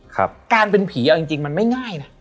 การเป็นผีเอาจริงมันไม่ง่ายนะ